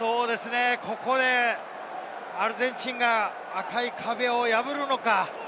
ここでアルゼンチンが赤い壁を破るのか？